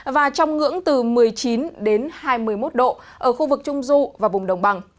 và trong ngưỡng từ một mươi chín đến hai mươi một độ ở khu vực trung du và vùng đồng bằng